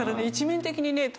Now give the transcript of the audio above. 一面的にね